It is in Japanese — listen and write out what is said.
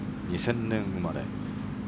２０００年生まれ。